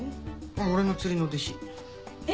俺の釣りの弟子。え？